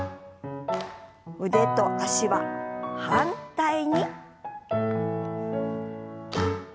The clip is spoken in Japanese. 腕と脚は反対に。